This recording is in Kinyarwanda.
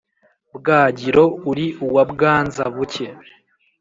bwagiro uri uwa bwanza-buke,